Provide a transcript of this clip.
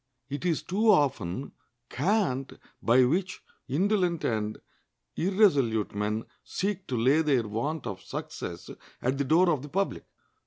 It is too often cant by which indolent and irresolute men seek to lay their want of success at the door of the public.